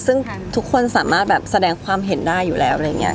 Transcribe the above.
ซึ่งทุกคนสามารถแบบแสดงความเห็นได้อยู่แล้วอะไรอย่างนี้